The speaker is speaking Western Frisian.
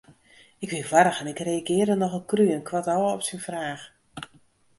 Ik wie warch en ik reagearre nochal krú en koartôf op syn fraach.